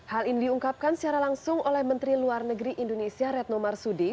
hal ini diungkapkan secara langsung oleh menteri luar negeri indonesia retno marsudi